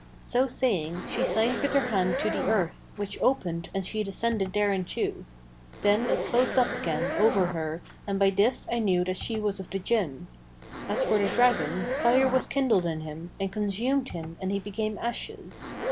So saying, she signed with her hand to the earth, which opened and she descended thereinto: then it closed up again over her and by this I knew that she was of the Jinn. As for the dragon, fire was kindled in him and consumed him and he became ashes.